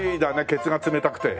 ケツが冷たくて。